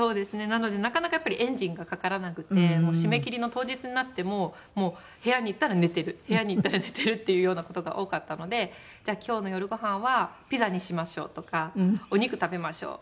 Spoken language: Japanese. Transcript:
なのでなかなかやっぱりエンジンがかからなくて締め切りの当日になってももう部屋に行ったら寝てる部屋に行ったら寝てるっていうような事が多かったので「じゃあ今日の夜ごはんはピザにしましょう」とか「お肉食べましょう。